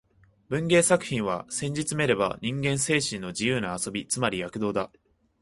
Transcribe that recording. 文芸作品は、せんじつめれば人間精神の自由な遊び、つまり躍動だ